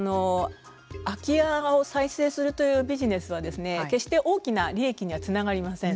空き家を再生するというビジネスは決して大きな利益にはつながりません。